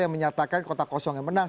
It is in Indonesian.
yang menyatakan kota kosong yang menang